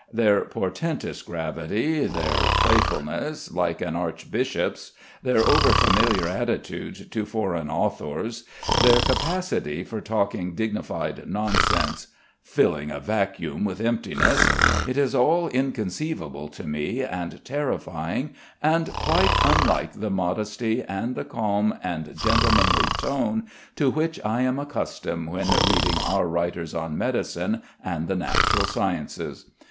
Their portentous gravity, their playfulness, like an archbishop's, their over familiar attitude to foreign authors, their capacity for talking dignified nonsense "filling a vacuum with emptiness" it is all inconceivable to me and terrifying, and quite unlike the modesty and the calm and gentlemanly tone to which I am accustomed when reading our writers on medicine and the natural sciences.